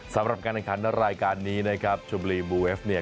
สำหรับการแข่งขันรายการนี้นะครับชมบุรีบูเวฟเนี่ย